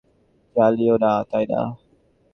আর তুমি হিন্দু মন্দিরেও আগুন জ্বালাও নাই, তাইনা?